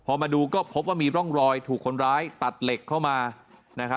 พอมาดูก็พบว่ามีร่องรอยถูกคนร้ายตัดเหล็กเข้ามา